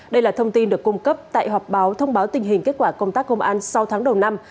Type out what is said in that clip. đây là thông tin được cung cấp tại họp báo thông báo tình hình kết quả công tác công an sáu tháng đầu năm